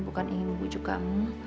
bukan ingin membujuk kamu